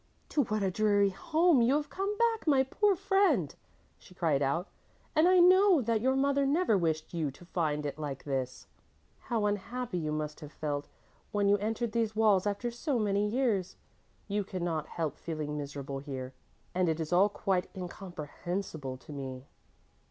"To what a dreary home you have come back, my poor friend!" she cried out, "and I know that your mother never wished you to find it like this. How unhappy you must have felt when you entered these walls after so many years! You cannot help feeling miserable here, and it is all quite incomprehensible to me."